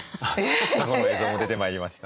過去の映像も出てまいりました。